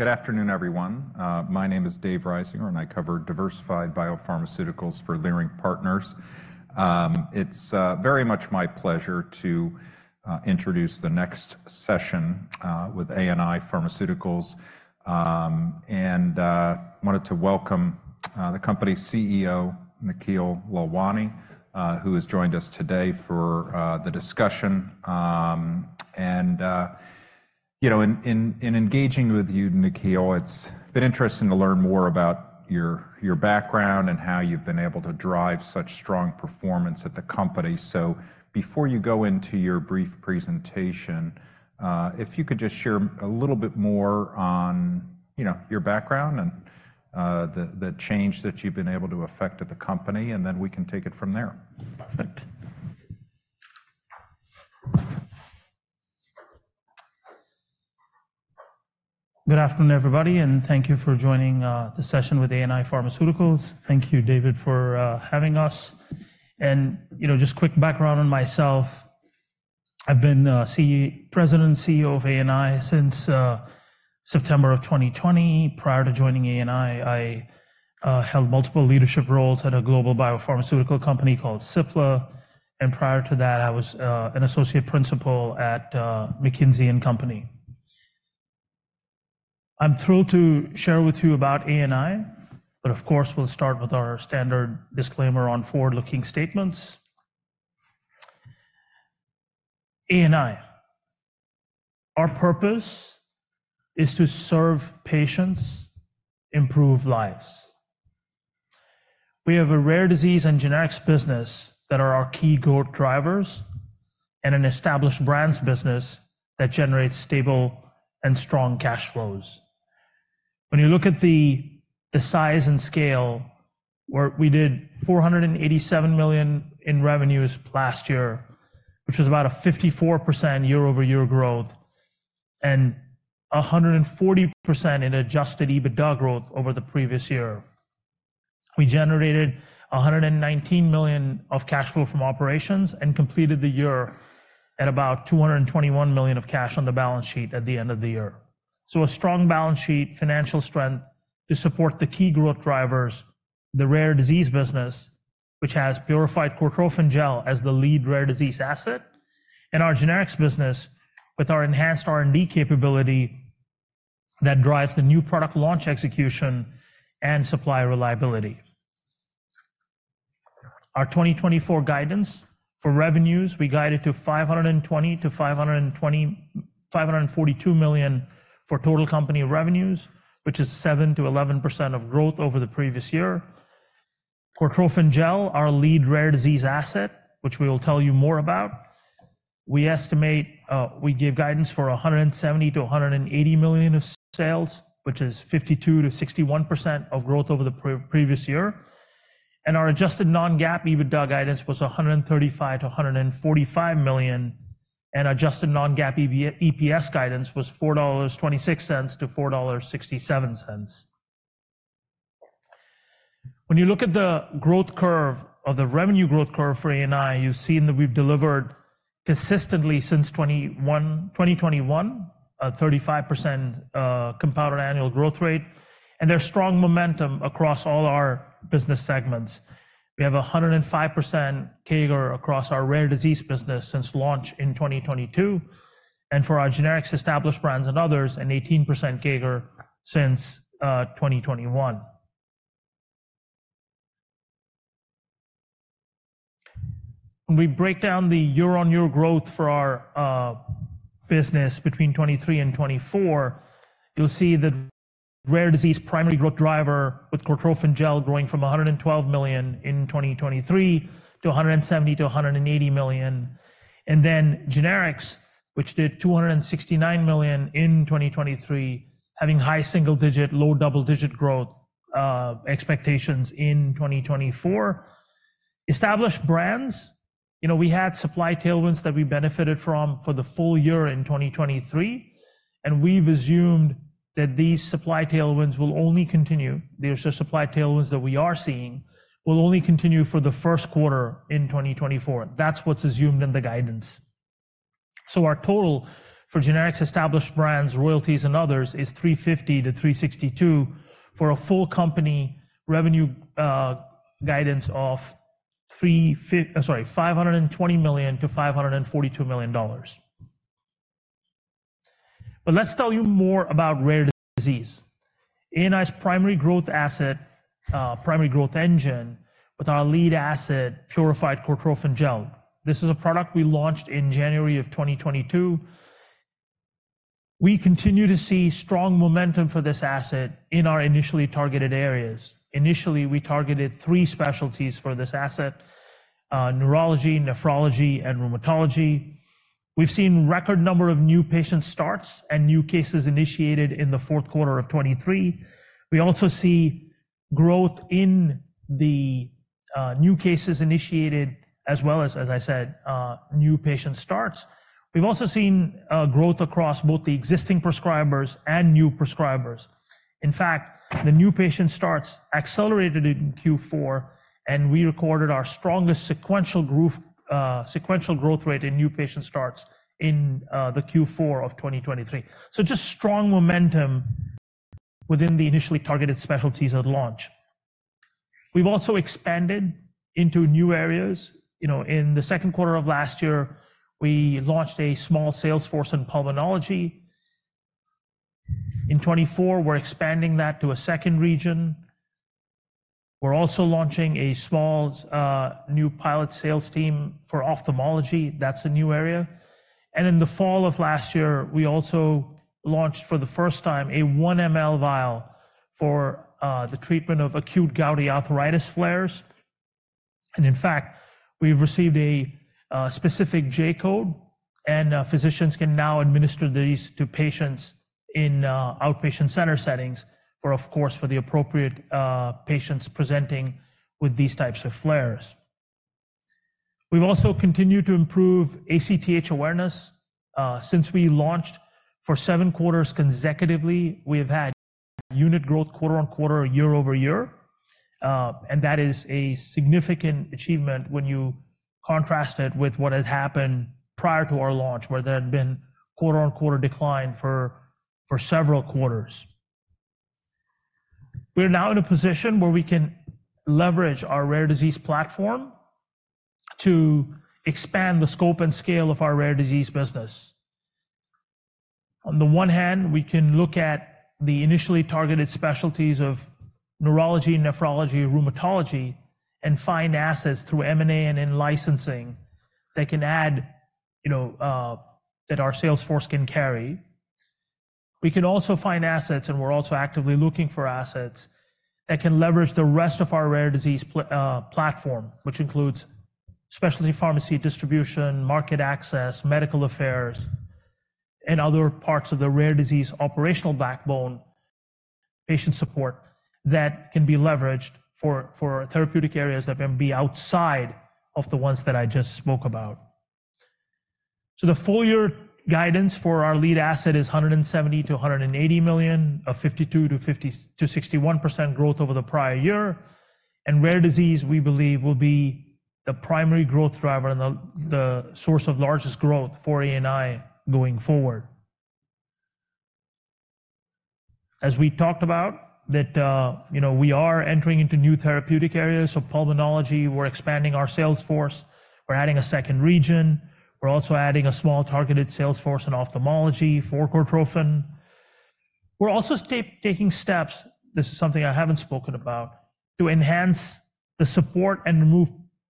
Good afternoon, everyone. My name is Dave Risinger, and I cover diversified biopharmaceuticals for Leerink Partners. It's very much my pleasure to introduce the next session with ANI Pharmaceuticals. I wanted to welcome the company's CEO, Nikhil Lalwani, who has joined us today for the discussion. You know, in engaging with you, Nikhil, it's been interesting to learn more about your background and how you've been able to drive such strong performance at the company. So before you go into your brief presentation, if you could just share a little bit more on, you know, your background and the change that you've been able to affect at the company, and then we can take it from there. Perfect. Good afternoon, everybody, and thank you for joining the session with ANI Pharmaceuticals. Thank you, David, for having us. You know, just quick background on myself. I've been President CEO of ANI since September of 2020. Prior to joining ANI, I held multiple leadership roles at a global biopharmaceutical company called Cipla, and prior to that, I was an associate principal at McKinsey & Company. I'm thrilled to share with you about ANI, but of course, we'll start with our standard disclaimer on Forward-Looking Statements. ANI. Our purpose is to serve patients, improve lives. We have a rare disease and generics business that are our key growth drivers and an established brands business that generates stable and strong cash flows. When you look at the size and scale, we did $487 million in revenues last year, which was about a 54% year-over-year growth and a 140% in adjusted EBITDA growth over the previous year. We generated $119 million of cash flow from operations and completed the year at about $221 million of cash on the balance sheet at the end of the year. So a strong balance sheet, financial strength to support the key growth drivers, the rare disease business, which has Purified Cortrophin Gel as the lead rare disease asset, and our generics business, with our enhanced R&D capability that drives the new product launch execution and supply reliability. Our 2024 guidance for revenues, we guided to $520 million-$542 million for total company revenues, which is 7%-11% growth over the previous year. Cortrophin Gel, our lead rare disease asset, which we will tell you more about. We estimate, we give guidance for $170 million-$180 million of sales, which is 52%-61% growth over the previous year, and our adjusted Non-GAAP EBITDA guidance was $135 million-$145 million, and adjusted Non-GAAP EPS guidance was $4.26-$4.67. When you look at the growth curve or the revenue growth curve for ANI, you've seen that we've delivered consistently since 2021, 2021, a 35%, compounded annual growth rate, and there's strong momentum across all our business segments. We have a 105% CAGR across our rare disease business since launch in 2022, and for our generics, established brands, and others, an 18% CAGR since 2021. When we break down the year-on-year growth for our business between 2023 and 2024, you'll see the rare disease primary growth driver with Cortrophin Gel growing from $112 million in 2023 to $170 million-$180 million. And then generics, which did $269 million in 2023, having high single-digit, low double-digit growth expectations in 2024. Established brands, you know, we had supply tailwinds that we benefited from for the full year in 2023, and we've assumed that these supply tailwinds will only continue. These supply tailwinds that we are seeing will only continue for the first quarter in 2024. That's what's assumed in the guidance. So our total for generics, established brands, royalties, and others is 350-362 for a full company revenue guidance of $520 million-$542 million. But let's tell you more about rare disease. ANI's primary growth asset, primary growth engine with our lead asset, Purified Cortrophin Gel. This is a product we launched in January 2022. We continue to see strong momentum for this asset in our initially targeted areas. Initially, we targeted three specialties for this asset: neurology, nephrology, and rheumatology. We've seen record number of new patient starts and new cases initiated in the fourth quarter of 2023. We also see growth in the new cases initiated, as well as, as I said, new patient starts. We've also seen growth across both the existing prescribers and new prescribers... In fact, the new patient starts accelerated in Q4, and we recorded our strongest sequential growth, sequential growth rate in new patient starts in the Q4 of 2023. So just strong momentum within the initially targeted specialties at launch. We've also expanded into new areas. You know, in the second quarter of last year, we launched a small sales force in pulmonology. In 2024, we're expanding that to a second region. We're also launching a small new pilot sales team for ophthalmology. That's a new area. In the fall of last year, we also launched for the first time a 1 ml vial for the treatment of acute gouty arthritis flares. And in fact, we've received a specific J-code, and physicians can now administer these to patients in outpatient center settings, or, of course, for the appropriate patients presenting with these types of flares. We've also continued to improve ACTH awareness. Since we launched, for seven quarters consecutively, we have had unit growth quarter-on-quarter, year-over-year. And that is a significant achievement when you contrast it with what had happened prior to our launch, where there had been quarter-on-quarter decline for several quarters. We're now in a position where we can leverage our rare disease platform to expand the scope and scale of our rare disease business. On the one hand, we can look at the initially targeted specialties of neurology, nephrology, rheumatology, and find assets through M&A and in-licensing that can add, you know, that our sales force can carry. We can also find assets, and we're also actively looking for assets, that can leverage the rest of our rare disease platform, which includes specialty pharmacy distribution, market access, medical affairs, and other parts of the rare disease operational backbone, patient support, that can be leveraged for therapeutic areas that may be outside of the ones that I just spoke about. So the full year guidance for our lead asset is $170 million-$180 million, a 52%-61% growth over the prior year. Rare disease, we believe, will be the primary growth driver and the source of largest growth for ANI going forward. As we talked about, that, you know, we are entering into new therapeutic areas. So pulmonology, we're expanding our sales force. We're adding a second region. We're also adding a small targeted sales force in ophthalmology for Cortrophin. We're also taking steps, this is something I haven't spoken about, to enhance the support and remove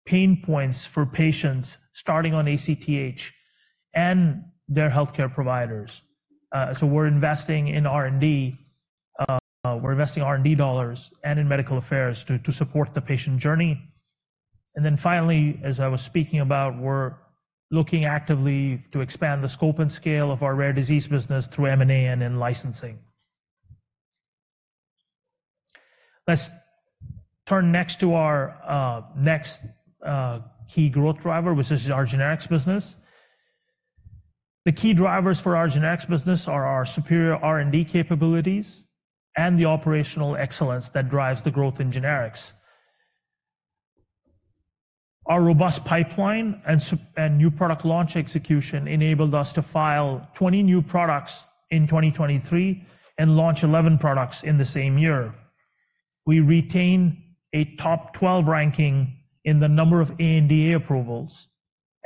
pain points for patients starting on ACTH and their healthcare providers. So we're investing in R&D. We're investing R&D dollars and in medical affairs to support the patient journey. And then finally, as I was speaking about, we're looking actively to expand the scope and scale of our rare disease business through M&A and in-licensing. Let's turn next to our next key growth driver, which is our generics business. The key drivers for our generics business are our superior R&D capabilities and the operational excellence that drives the growth in generics. Our robust pipeline and new product launch execution enabled us to file 20 new products in 2023 and launch 11 products in the same year. We retain a top 12 ranking in the number of ANDA approvals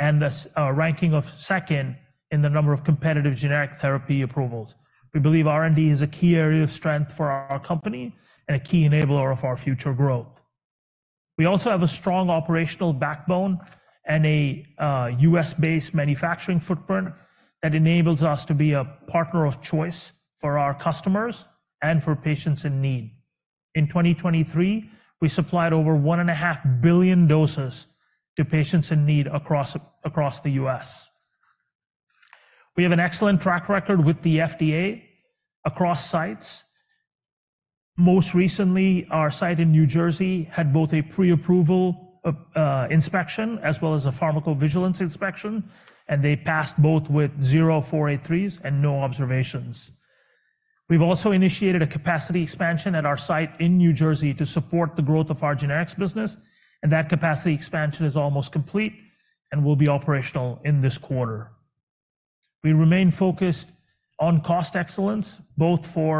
and the ranking of second in the number of competitive generic therapy approvals. We believe R&D is a key area of strength for our company and a key enabler of our future growth. We also have a strong operational backbone and a U.S.-based manufacturing footprint that enables us to be a partner of choice for our customers and for patients in need. In 2023, we supplied over 1.5 billion doses to patients in need across the U.S. We have an excellent track record with the FDA across sites. Most recently, our site in New Jersey had both a pre-approval inspection as well as a pharmacovigilance inspection, and they passed both with zero 483s and no observations. We've also initiated a capacity expansion at our site in New Jersey to support the growth of our generics business, and that capacity expansion is almost complete and will be operational in this quarter. We remain focused on cost excellence, both for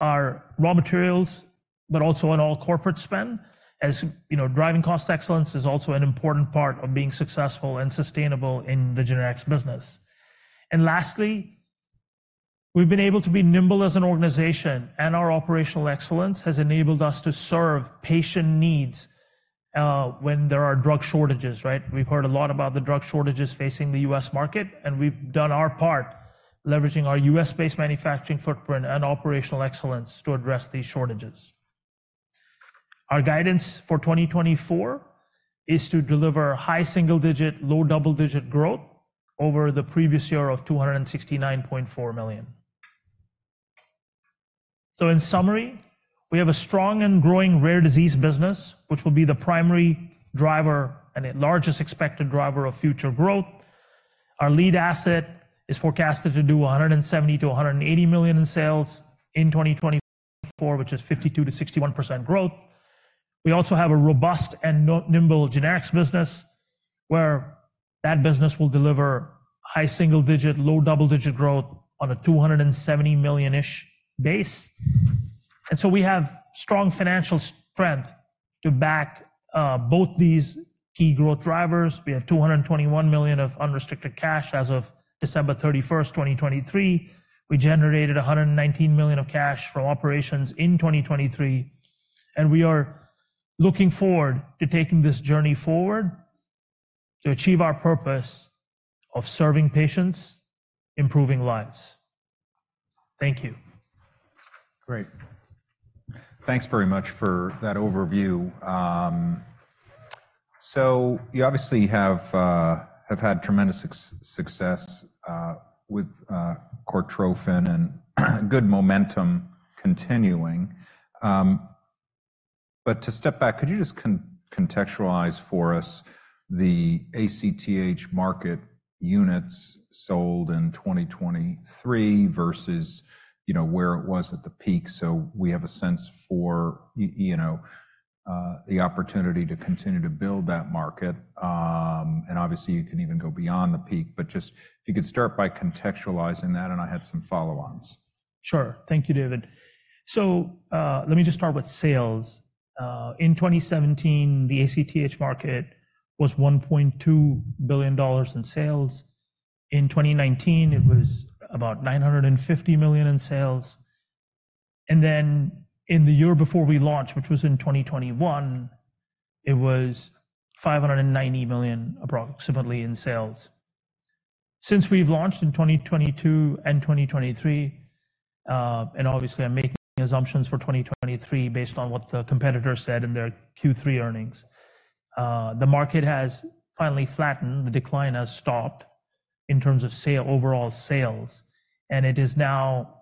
our raw materials, but also on all corporate spend. As you know, driving cost excellence is also an important part of being successful and sustainable in the generics business. Lastly, we've been able to be nimble as an organization, and our operational excellence has enabled us to serve patient needs when there are drug shortages, right? We've heard a lot about the drug shortages facing the U.S. market, and we've done our part, leveraging our U.S.-based manufacturing footprint and operational excellence to address these shortages. Our guidance for 2024 is to deliver high single-digit, low double-digit growth over the previous year of $269.4 million. In summary, we have a strong and growing rare disease business, which will be the primary driver and the largest expected driver of future growth... Our lead asset is forecasted to do $170 million-$180 million in sales in 2024, which is 52%-61% growth. We also have a robust and nimble generics business, where that business will deliver high single-digit, low double-digit growth on a $270 million-ish base. So we have strong financial strength to back both these key growth drivers. We have $221 million of unrestricted cash as of December 31st, 2023. We generated $119 million of cash from operations in 2023, and we are looking forward to taking this journey forward to achieve our purpose of serving patients, improving lives. Thank you. Great. Thanks very much for that overview. So you obviously have had tremendous success with Cortrophin and good momentum continuing. But to step back, could you just contextualize for us the ACTH market units sold in 2023 versus, you know, where it was at the peak, so we have a sense for, you know, the opportunity to continue to build that market? And obviously, you can even go beyond the peak, but just if you could start by contextualizing that, and I have some follow-ons. Sure. Thank you, David. So, let me just start with sales. In 2017, the ACTH market was $1.2 billion in sales. In 2019, it was about $950 million in sales, and then in the year before we launched, which was in 2021, it was $590 million approximately in sales. Since we've launched in 2022 and 2023, and obviously, I'm making assumptions for 2023 based on what the competitor said in their Q3 earnings, the market has finally flattened. The decline has stopped in terms of sales overall, and it is now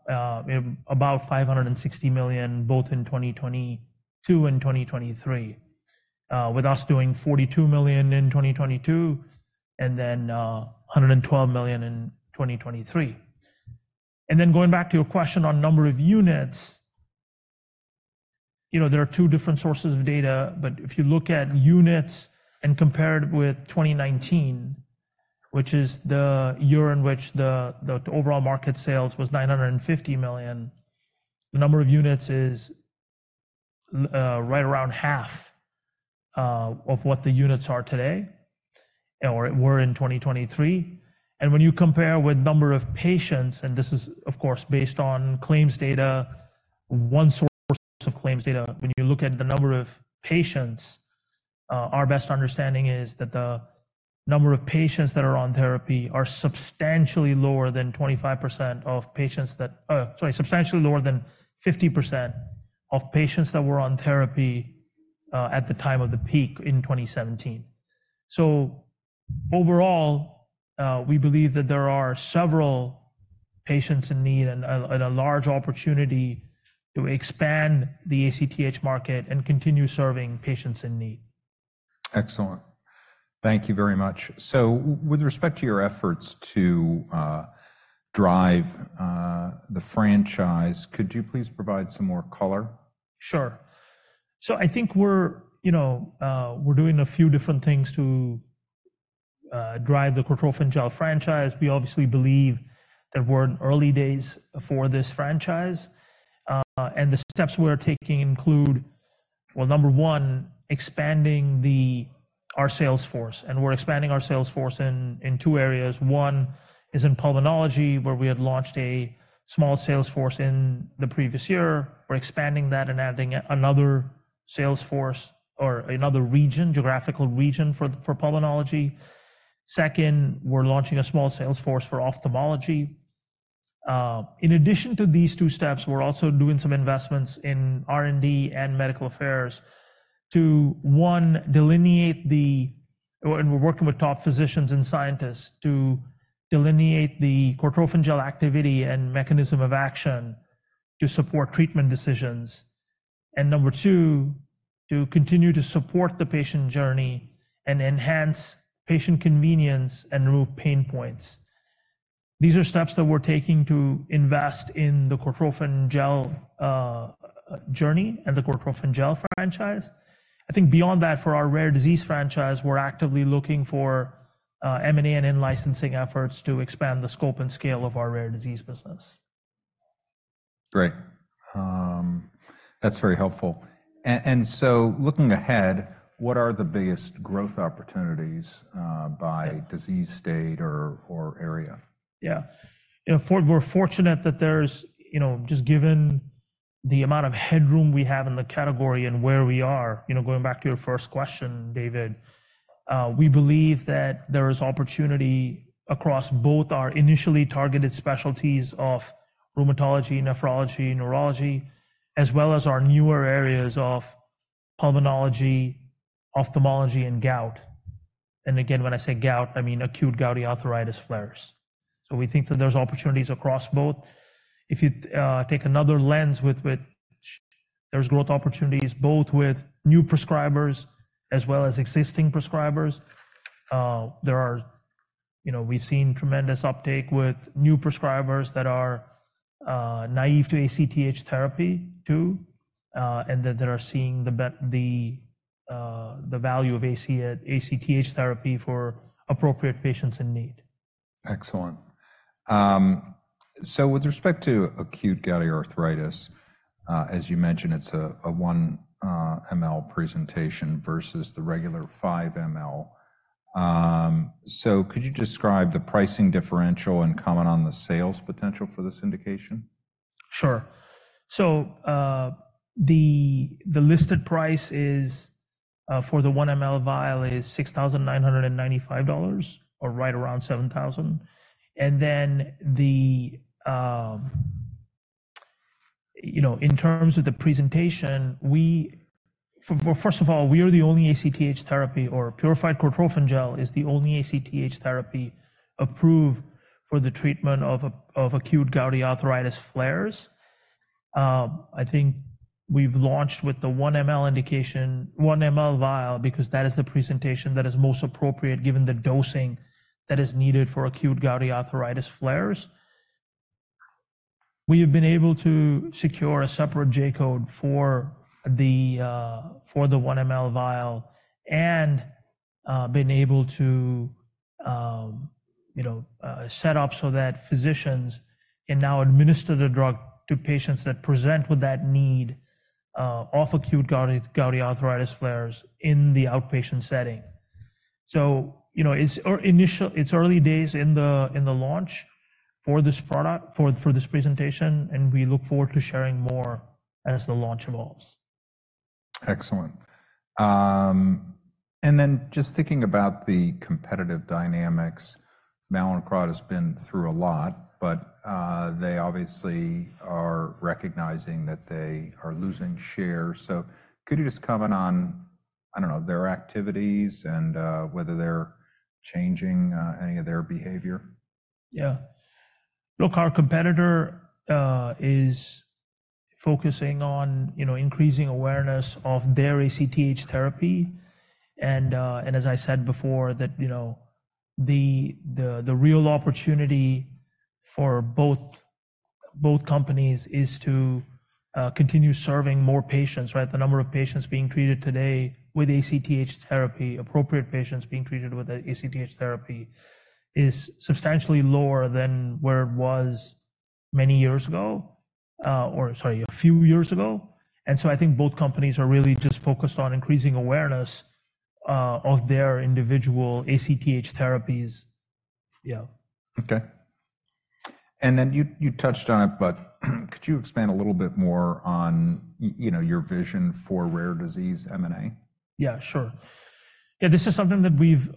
about $560 million, both in 2022 and 2023. With us doing $42 million in 2022 and then a hundred and twelve million in 2023. Then going back to your question on number of units, you know, there are two different sources of data, but if you look at units and compare it with 2019, which is the year in which the overall market sales was $950 million, the number of units is right around half of what the units are today, or were in 2023. And when you compare with number of patients, and this is, of course, based on claims data, one source of claims data. When you look at the number of patients, our best understanding is that the number of patients that are on therapy are substantially lower than 25% of patients that... Sorry, substantially lower than 50% of patients that were on therapy at the time of the peak in 2017. So overall, we believe that there are several patients in need and a large opportunity to expand the ACTH market and continue serving patients in need. Excellent. Thank you very much. So with respect to your efforts to drive the franchise, could you please provide some more color? Sure. So I think we're, you know, we're doing a few different things to drive the Cortrophin Gel franchise. We obviously believe that we're in early days for this franchise, and the steps we're taking include... Well, number one, expanding our sales force, and we're expanding our sales force in two areas. One is in pulmonology, where we had launched a small sales force in the previous year. We're expanding that and adding another sales force or another geographical region for pulmonology. Second, we're launching a small sales force for ophthalmology. In addition to these two steps, we're also doing some investments in R&D and medical affairs to one, delineate the... And we're working with top physicians and scientists to delineate the Cortrophin Gel activity and mechanism of action to support treatment decisions. Number two, to continue to support the patient journey and enhance patient convenience and remove pain points. These are steps that we're taking to invest in the Cortrophin Gel journey and the Cortrophin Gel franchise. I think beyond that, for our rare disease franchise, we're actively looking for M&A and in-licensing efforts to expand the scope and scale of our rare disease business. Great. That's very helpful. So looking ahead, what are the biggest growth opportunities by disease state or area? Yeah. You know, we're fortunate that there's, you know, just given the amount of headroom we have in the category and where we are, you know, going back to your first question, David, we believe that there is opportunity across both our initially targeted specialties of rheumatology, nephrology, neurology, as well as our newer areas of pulmonology, ophthalmology, and gout. And again, when I say gout, I mean acute gouty arthritis flares. So we think that there's opportunities across both. If you take another lens with, there's growth opportunities both with new prescribers as well as existing prescribers. There are, you know, we've seen tremendous uptake with new prescribers that are naive to ACTH therapy too, and that they are seeing the value of ACTH therapy for appropriate patients in need. Excellent. So with respect to acute gouty arthritis, as you mentioned, it's a 1 ml presentation versus the regular 5 ml. So could you describe the pricing differential and comment on the sales potential for this indication? Sure. So, the listed price is for the 1 ml vial $6,995 or right around $7,000. And then, you know, in terms of the presentation, first of all, we are the only ACTH therapy or Purified Cortrophin Gel is the only ACTH therapy approved for the treatment of acute gouty arthritis flares. I think we've launched with the 1 ml indication, 1 ml vial, because that is the presentation that is most appropriate, given the dosing that is needed for acute gouty arthritis flares. We have been able to secure a separate J-code for the, for the 1 ml vial and, been able to, you know, set up so that physicians can now administer the drug to patients that present with that need, of acute gouty, gouty arthritis flares in the outpatient setting. So, you know, it's early days in the, in the launch for this product, for, for this presentation, and we look forward to sharing more as the launch evolves. Excellent. And then just thinking about the competitive dynamics, Mallinckrodt has been through a lot, but they obviously are recognizing that they are losing share. So could you just comment on, I don't know, their activities and whether they're changing any of their behavior? Yeah. Look, our competitor is focusing on, you know, increasing awareness of their ACTH therapy. And as I said before, that, you know, the real opportunity for both companies is to continue serving more patients, right? The number of patients being treated today with ACTH therapy, appropriate patients being treated with ACTH therapy, is substantially lower than where it was many years ago, or sorry, a few years ago. And so I think both companies are really just focused on increasing awareness of their individual ACTH therapies. Yeah. Okay. And then you, you touched on it, but could you expand a little bit more on, you know, your vision for rare disease M&A? Yeah, sure. Yeah, this is something that we've,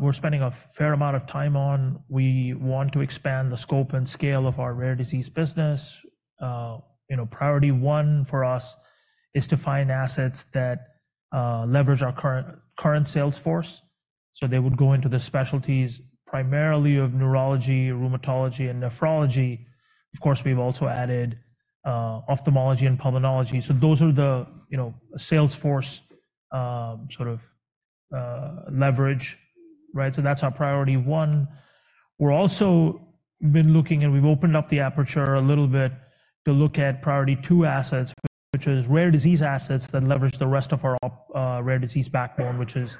we're spending a fair amount of time on. We want to expand the scope and scale of our rare disease business. You know, priority one for us is to find assets that, leverage our current, current sales force. So they would go into the specialties primarily of neurology, rheumatology, and nephrology. Of course, we've also added, ophthalmology and pulmonology. So those are the, you know, sales force, sort of, leverage, right? So that's our priority one. We've also been looking, and we've opened up the aperture a little bit to look at priority two assets, which is rare disease assets that leverage the rest of our rare disease backbone, which is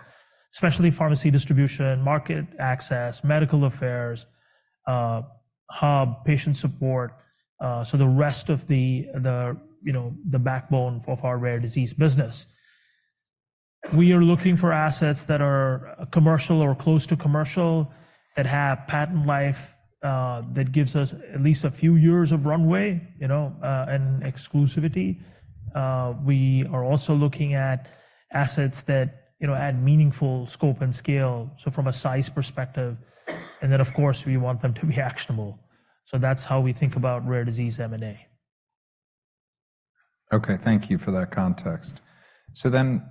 specialty pharmacy distribution, market access, medical affairs, hub, patient support, so the rest of the, you know, the backbone of our rare disease business. We are looking for assets that are commercial or close to commercial, that have patent life that gives us at least a few years of runway, you know, and exclusivity. We are also looking at assets that, you know, add meaningful scope and scale, so from a size perspective, and then, of course, we want them to be actionable. So that's how we think about rare disease M&A. Okay, thank you for that context. So then,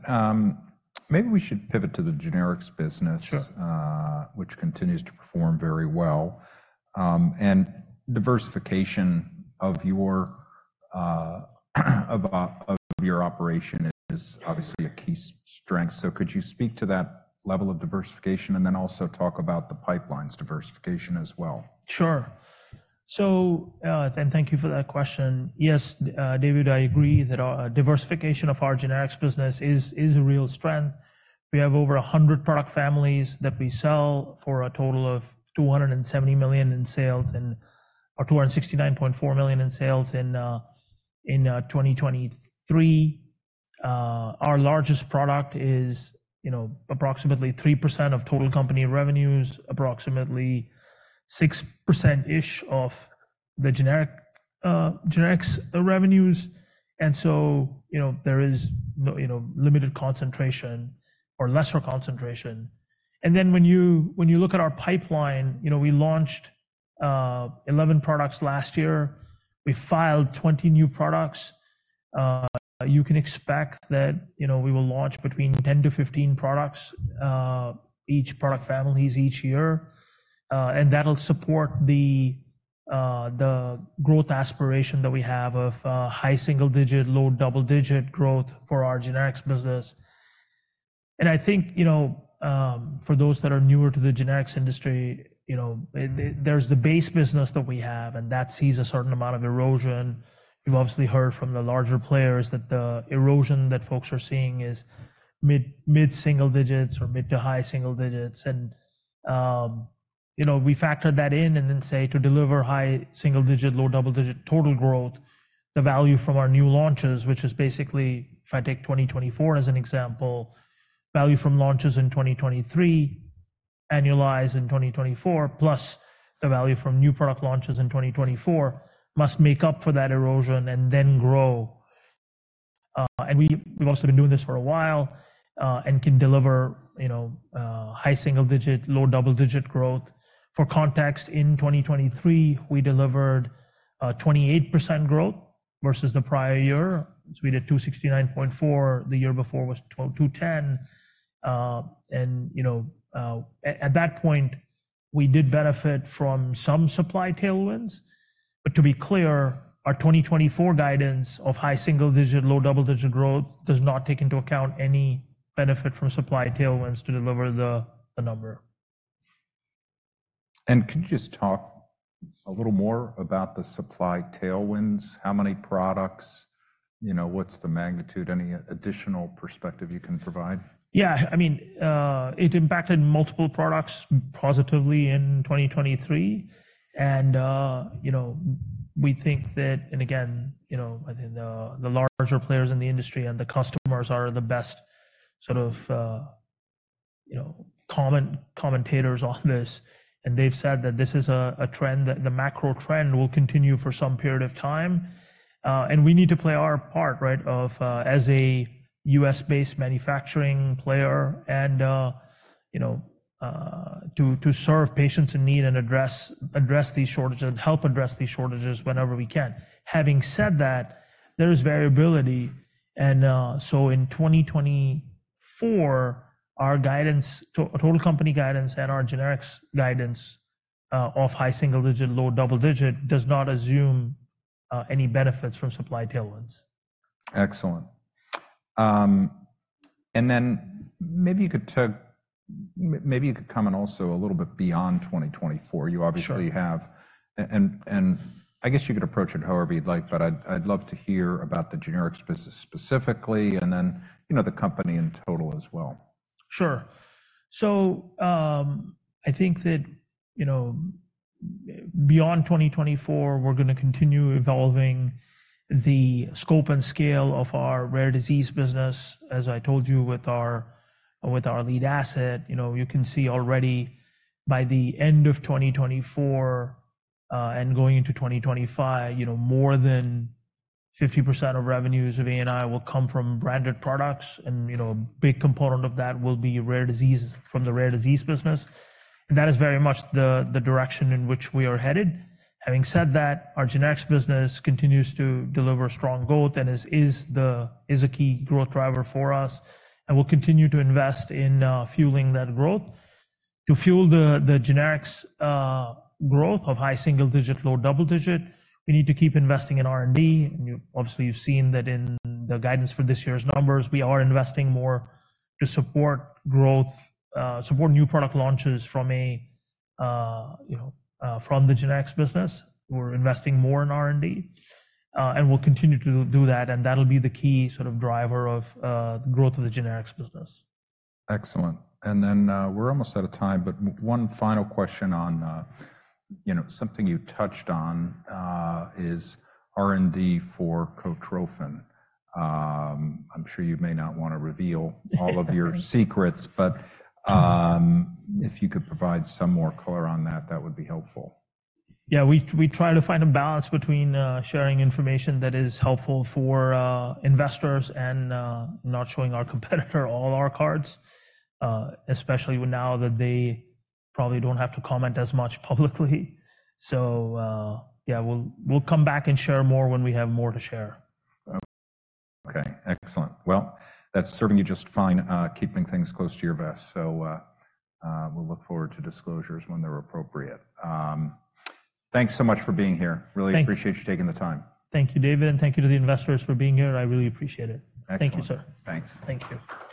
maybe we should pivot to the generics business- Sure... which continues to perform very well. And diversification of your operation is obviously a key strength. So could you speak to that level of diversification and then also talk about the pipeline's diversification as well? Sure. So, and thank you for that question. Yes, David, I agree that our diversification of our generics business is a real strength. We have over 100 product families that we sell for a total of $270 million in sales and or $269.4 million in sales in 2023. Our largest product is, you know, approximately 3% of total company revenues, approximately 6%ish of the generics revenues. And so, you know, there is no, you know, limited concentration or lesser concentration. And then when you, when you look at our pipeline, you know, we launched 11 products last year. We filed 20 new products. You can expect that, you know, we will launch between 10-15 products each product families each year, and that'll support the growth aspiration that we have of high single-digit, low double-digit growth for our generics business. I think, you know, for those that are newer to the generics industry, you know, there's the base business that we have, and that sees a certain amount of erosion. You've obviously heard from the larger players that the erosion that folks are seeing is mid single-digits or mid to high single-digits. And, you know, we factored that in and then say to deliver high single-digit, low double-digit total growth, the value from our new launches, which is basically, if I take 2024 as an example, value from launches in 2023, annualize in 2024, plus the value from new product launches in 2024, must make up for that erosion and then grow. And we've also been doing this for a while, and can deliver, you know, high single-digit, low double-digit growth. For context, in 2023, we delivered 28% growth versus the prior year. So we did $269.4, the year before was $210. And, you know, at that point, we did benefit from some supply tailwinds. But to be clear, our 2024 guidance of high single-digit, low double-digit growth does not take into account any benefit from supply tailwinds to deliver the number. Can you just talk a little more about the supply tailwinds? How many products, you know, what's the magnitude? Any additional perspective you can provide? Yeah. I mean, it impacted multiple products positively in 2023, and, you know, we think that. And again, you know, I think the larger players in the industry and the customers are the best sort of, you know, commentators on this, and they've said that this is a trend, that the macro trend will continue for some period of time. And we need to play our part, right, of as a U.S.-based manufacturing player and, you know, to serve patients in need and address these shortages and help address these shortages whenever we can. Having said that, there is variability, and so in 2024, our guidance, total company guidance and our generics guidance, of high single-digit, low double-digit, does not assume any benefits from supply tailwinds. Excellent. And then maybe you could comment also a little bit beyond 2024. Sure. You obviously have... And, I guess you could approach it however you'd like, but I'd love to hear about the generics business specifically, and then, you know, the company in total as well. Sure. So, I think that, you know, beyond 2024, we're gonna continue evolving the scope and scale of our rare disease business, as I told you, with our lead asset. You know, you can see already by the end of 2024, and going into 2025, you know, more than 50% of revenues of ANI will come from branded products, and, you know, a big component of that will be rare diseases from the rare disease business. And that is very much the direction in which we are headed. Having said that, our generics business continues to deliver strong growth and is a key growth driver for us, and we'll continue to invest in fueling that growth. To fuel the generics growth of high single-digit, low double digit, we need to keep investing in R&D. And you obviously, you've seen that in the guidance for this year's numbers. We are investing more to support growth, support new product launches from a, you know, from the generics business. We're investing more in R&D, and we'll continue to do that, and that'll be the key sort of driver of, growth of the generics business. Excellent. And then, we're almost out of time, but one final question on, you know, something you touched on, is R&D for Cortrophin. I'm sure you may not want to reveal all of your secrets, but, if you could provide some more color on that, that would be helpful. Yeah, we try to find a balance between sharing information that is helpful for investors and not showing our competitor all our cards, especially now that they probably don't have to comment as much publicly. So, yeah, we'll come back and share more when we have more to share. Okay, excellent. Well, that's serving you just fine, keeping things close to your vest. So, we'll look forward to disclosures when they're appropriate. Thanks so much for being here. Thank you. Really appreciate you taking the time. Thank you, David, and thank you to the investors for being here. I really appreciate it. Excellent. Thank you, sir. Thanks. Thank you.